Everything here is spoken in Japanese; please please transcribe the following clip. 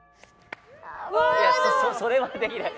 それはできない。